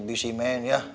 busy man ya